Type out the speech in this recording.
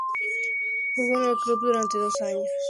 Jugó en el club durante dos años.